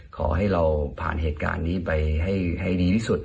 ขอให้เราผ่านเหตุการณ์นี้ไปให้ดีที่สุด